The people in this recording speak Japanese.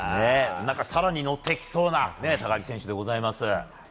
更に乗ってきそうな高木選手でございます。